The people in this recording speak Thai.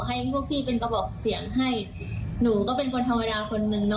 ให้พวกพี่เป็นกระบอกเสียงให้หนูก็เป็นคนธรรมดาคนนึงเนอ